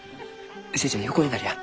寿恵ちゃん横になりや。